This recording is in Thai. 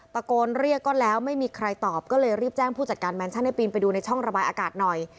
ตะโกนเรียกก็แล้วไม่มีใครตอบก็เลยรีบแจ้งผู้จัดการแมนชั่นให้ปีนไปดูในช่องระบายอากาศหน่อย